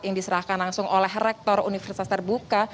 yang diserahkan langsung oleh rektor universitas terbuka